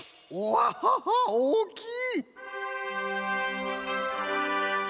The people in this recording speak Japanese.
ワッハハおおきい！